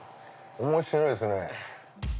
面白いですね。